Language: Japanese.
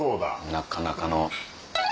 なかなかの。